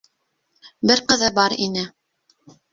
Бер ҡыҙы бар ине.